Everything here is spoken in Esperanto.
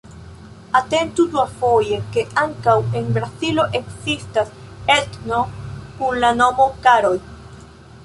Atentu duafoje, ke ankaŭ en Brazilo ekzistas etno kun la nomo "Karoj".